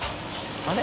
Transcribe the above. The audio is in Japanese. あれ？